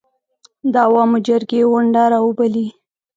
د عوامو جرګې غونډه راوبولي.